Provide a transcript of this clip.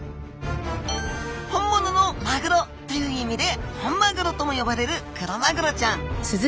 本物のマグロという意味で本まぐろとも呼ばれるクロマグロちゃん。